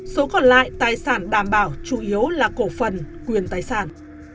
số còn lại tài sản đảm bảo chủ yếu là cổ phần quyền tài sản